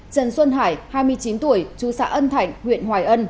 trần xuân hải hai mươi chín tuổi chú xã ân thạnh huyện hoài ân